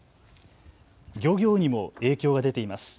漁業にも影響が出ています。